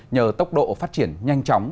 nhờ tốc độ phát triển nhanh chóng